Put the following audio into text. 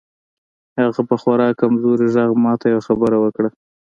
هغه په خورا کمزوري غږ ماته یوه خبره وکړه